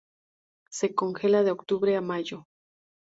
Se congela de octubre a mayo.